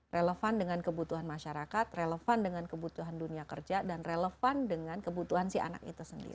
relevan dengan kebutuhan masyarakat relevan dengan kebutuhan dunia kerja dan relevan dengan kebutuhan si anak itu sendiri